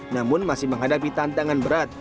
namun masih menghadapi tantangan berat